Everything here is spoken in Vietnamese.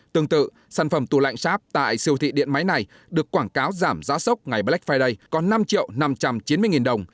tương tự sản phẩm tù lạnh sáp tại siêu thị điện máy này được quảng cáo giảm giá sốc ngày black friday có năm triệu năm trăm chín mươi nghìn đồng